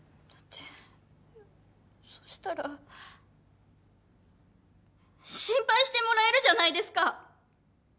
だってそしたら心配してもらえるじゃないですか。